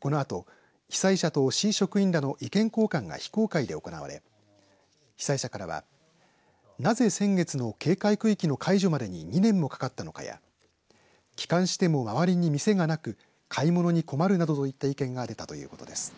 このあと被災者と市職員らの意見交換が非公開で行われ被災者からはなぜ先月の警戒区域の解除までに２年もかかったのかや帰還しても周りに店がなく買い物に困るなどといった意見が出たということです。